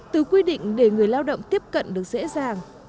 từ quy định để người lao động tiếp cận được dễ dàng